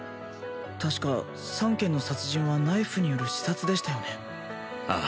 確か３件の殺人はナイフによる刺殺でしたよねああ